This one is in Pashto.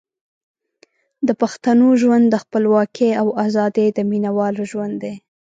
د پښتنو ژوند د خپلواکۍ او ازادۍ د مینوالو ژوند دی.